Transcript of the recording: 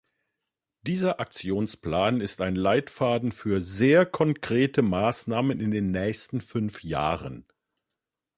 Dieser Aktionsplan ist ein Leitfaden für sehr konkrete Maßnahmen in den nächsten fünf Jahren.